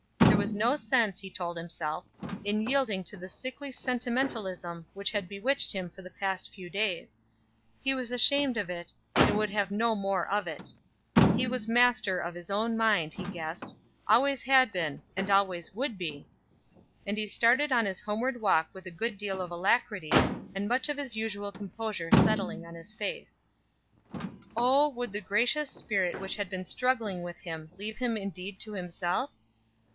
There was no sense, he told himself, in yielding to the sickly sentimentalism which had bewitched him for the past few days; he was ashamed of it, and would have no more of it. He was master of his own mind, he guessed, always had been, and always would be. And he started on his homeward walk with a good deal of alacrity, and much of his usual composure settling on his face. Oh, would the gracious Spirit which had been struggling with him leave him indeed to himself?